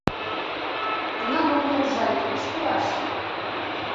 Тунам ок лий уржа вет, куш пураш?